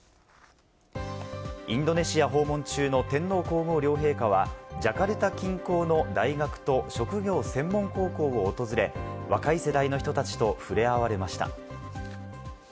インドネシア訪問中の天皇皇后両陛下は、ジャカルタ近郊の大学と職業専門高校を訪れ、若い世代の人たちと触れ合われました。